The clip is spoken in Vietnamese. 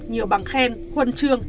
nhiều bằng khen khuân trường